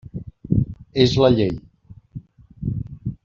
És la llei.